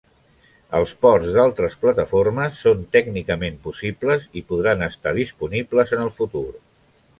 Els ports d'altres plataformes són tècnicament possibles i podran estar disponibles en el futur.